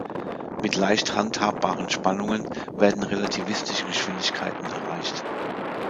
Mit leicht handhabbaren Spannungen werden relativistische Geschwindigkeiten erreicht.